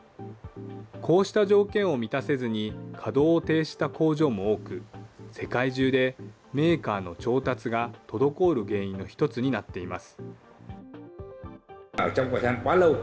こうした条件を満たせずに、稼働を停止した工場も多く、世界中でメーカーの調達が滞る原因の一つになっています。